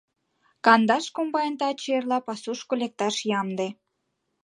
Кандаш комбайн таче-эрла пасушко лекташ ямде.